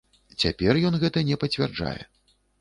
Цяпер ён гэта не пацвярджае.